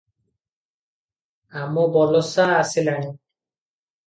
ଆମବଲସା ଆସିଲାଣି?